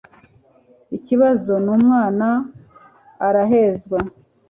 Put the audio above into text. ikibazo n umwana arahezwa